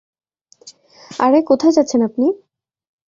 আরে কোথায় যাচ্ছেন আপনি?